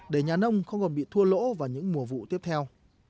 để nhà nông không còn bị thua lỗ vào những mùa vụ tiếp theo